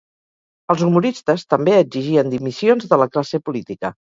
Els humoristes també exigien dimissions de la classe política.